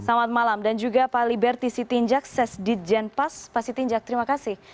selamat malam dan juga pak liberty sitinjak sesdit jenpas pak sitinjak terima kasih